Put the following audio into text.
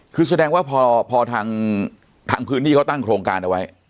คือแสดงว่าพอทางพื้นที่เขาตั้งโครงการเอาไว้